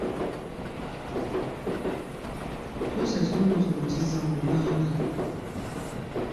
Kyusa ekitundu kino okizze mu Luganda.